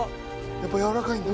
やっぱやわらかいんだ。